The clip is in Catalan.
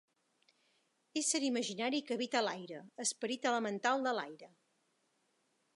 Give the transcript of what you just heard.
Ésser imaginari que habita l'aire, esperit elemental de l'aire.